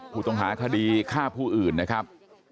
ผู้ต้องหาคดีฆ่าผู้อื่นนะครับ